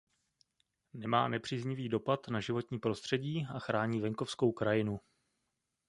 Nemá nepříznivý dopad na životní prostředí a chrání venkovskou krajinu.